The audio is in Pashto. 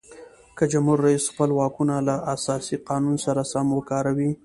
که جمهور رئیس خپل واکونه له اساسي قانون سره سم وکاروي.